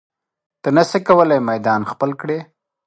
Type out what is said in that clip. ته نشې کولی میدان خپل کړې.